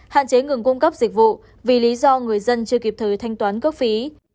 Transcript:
hạn chế ngừng cung cấp dịch vụ vì lý do người dân chưa kịp thời thanh toán cước phí